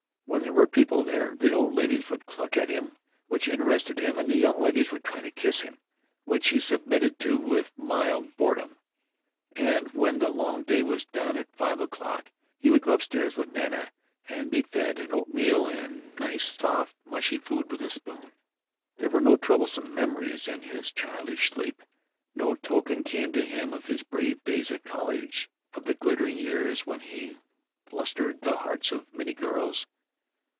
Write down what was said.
When there were people there the old ladies would cluck at him, which interested him, and the young ladies would try to kiss him, which he submitted to with mild boredom. And when the long day was done at five o'clock he would go upstairs with Nana and be fed on oatmeal and nice soft mushy foods with a spoon. There were no troublesome memories in his childish sleep; no token came to him of his brave days at college, of the glittering years when he flustered the hearts of many girls.